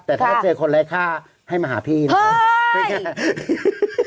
แต่ถ้าเจอคนไร้ค่าให้มาหาพี่นะครับ